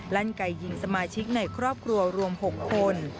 ไก่ยิงสมาชิกในครอบครัวรวม๖คน